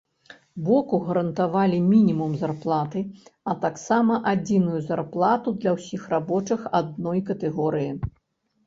Боку гарантавалі мінімум зарплаты, а таксама адзіную зарплату для ўсіх рабочых адной катэгорыі.